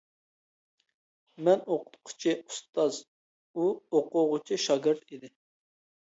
مەن ئوقۇتقۇچى، ئۇستاز، ئۇ ئوقۇغۇچى، شاگىرت ئىدى.